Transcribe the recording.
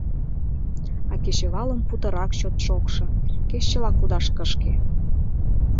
А кечывалым путырак чот шокшо, кеч чыла кудаш кышке.